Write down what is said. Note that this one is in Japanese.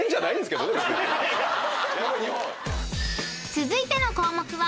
［続いての項目は］